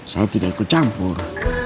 saya tidak ikut campur